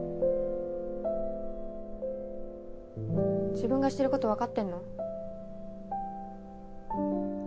自分がしてることわかってんの？